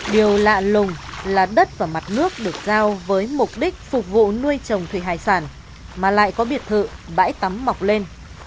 điều lạ lùng là đất và mặt nước được giao với mục đích phục vụ nuôi trồng thủy hải sản mà lại có biệt thự bãi tắm mọc lên